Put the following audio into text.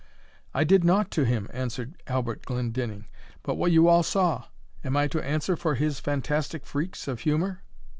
"I did nought to him," answered Halbert Glendinning, "but what you all saw am I to answer for his fantastic freaks of humour?"